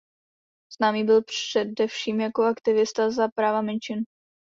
Známý byl především jako aktivista za práva menšin.